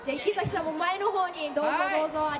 池崎さんも前のほうにどうぞ。